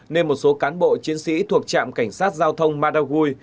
nên một số cán bộ chiến sĩ thuộc trạm cảnh sát giao thông madagui